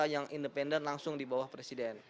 yang independen langsung di bawah presiden